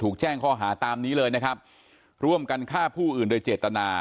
แจ้งข้อหาตามนี้เลยนะครับร่วมกันฆ่าผู้อื่นโดยเจตนา